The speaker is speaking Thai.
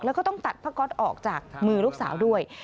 แล้วก็ต้องตัดผ้าก๊อตออกจากมือลูกสาวด้วย